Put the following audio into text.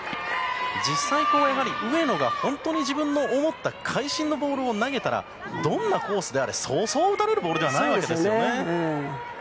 実際、上野が本当に自分の思った会心のボールを投げたらどんなコースであれそうそう打たれるボールではないわけですよね。